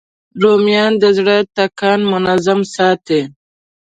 رومیان د زړه ټکان منظم ساتي